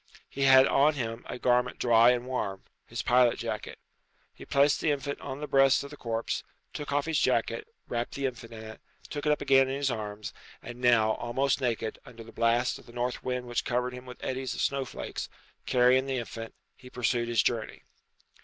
He had on him a garment dry and warm his pilot jacket. He placed the infant on the breast of the corpse, took off his jacket, wrapped the infant in it, took it up again in his arms, and now, almost naked, under the blast of the north wind which covered him with eddies of snow flakes, carrying the infant, he pursued his journey.